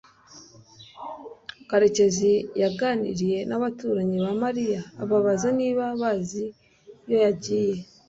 karekezi yaganiriye n'abaturanyi ba mariya ababaza niba bazi iyo yagiye